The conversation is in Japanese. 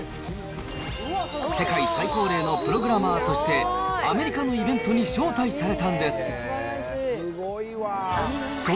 世界最高齢のプログラマーとして、アメリカのイベントに招待されたんです。